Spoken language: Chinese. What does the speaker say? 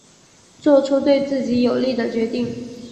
做出对自己有利的决定